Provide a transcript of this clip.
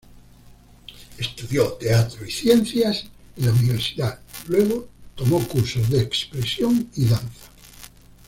Estudió teatro y ciencias en la universidad, luego tomó cursos de expresión y danza.